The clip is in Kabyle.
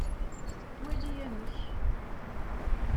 Wali amek!